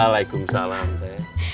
waalaikumsalam kang lidoy